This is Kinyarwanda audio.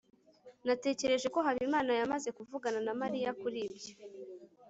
natekereje ko habimana yamaze kuvugana na mariya kuri ibyo